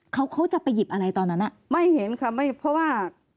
เขาเขาจะไปหยิบอะไรตอนนั้นอ่ะไม่เห็นค่ะไม่เพราะว่า